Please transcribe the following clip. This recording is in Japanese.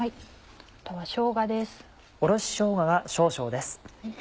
あとはしょうがです。